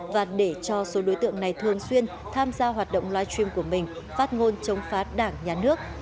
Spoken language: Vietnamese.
và để cho số đối tượng này thường xuyên tham gia hoạt động live stream của mình phát ngôn chống phá đảng nhà nước